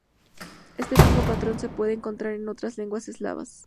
Este mismo patrón se puede encontrar en otras lenguas eslavas.